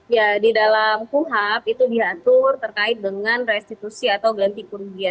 ya di dalam kuhap itu diatur terkait dengan restitusi atau ganti kerugian